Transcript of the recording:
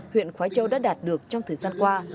huyện khói châu đã đạt được trong thời gian qua